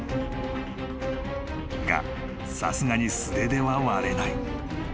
［がさすがに素手では割れない］